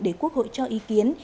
để quốc hội cho ý kiến